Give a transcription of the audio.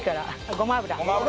ごま油。